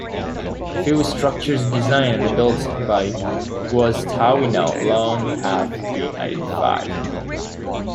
Few structures designed and built by Guastavino alone have been identified.